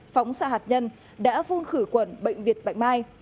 phóng xạ hạt nhân đã phun khử quần bệnh viện bạch mai